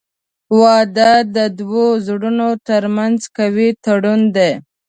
• واده د دوه زړونو ترمنځ قوي تړون دی.